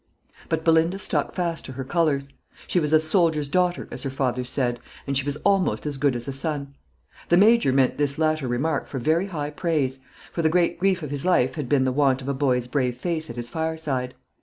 But Belinda stuck fast to her colours. She was a soldier's daughter, as her father said, and she was almost as good as a son. The Major meant this latter remark for very high praise; for the great grief of his life had been the want of a boy's brave face at his fireside.